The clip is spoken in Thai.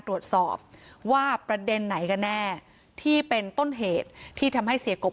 ตรวจสอบว่าประเด็นไหนกันแน่ที่เป็นต้นเหตุที่ทำให้เสียกบ